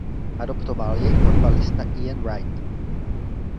Adoptoval jej fotbalista Ian Wright.